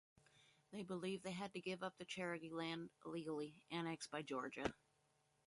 They believed they had to give up the Cherokee land illegally annexed by Georgia.